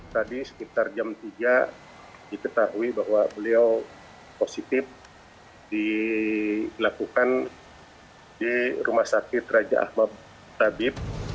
tadi sekitar jam tiga diketahui bahwa beliau positif dilakukan di rumah sakit raja ahmad tabib